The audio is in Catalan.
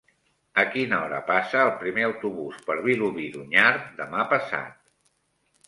A quina hora passa el primer autobús per Vilobí d'Onyar demà passat?